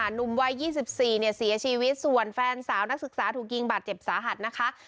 หนุ่มวัย๒๔เนี่ยเสียชีวิตส่วนแฟนสาวนักศึกษาถูกยิงบาดเจ็บสาหัสนะคะ